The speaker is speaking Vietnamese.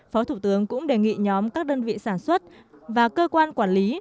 phó thủ tướng cũng đề nghị nhóm các đơn vị sản xuất và cơ quan quản lý